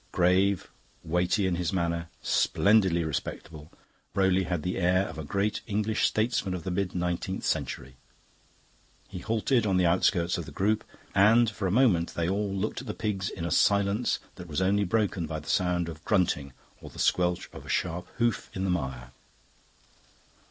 Grave, weighty in his manner, splendidly respectable, Rowley had the air of a great English statesman of the mid nineteenth century. He halted on the outskirts of the group, and for a moment they all looked at the pigs in a silence that was only broken by the sound of grunting or the squelch of a sharp hoof in the mire.